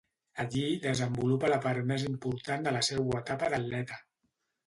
Allí desenvolupa la part més important de la seua etapa d'atleta.